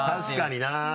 確かにな。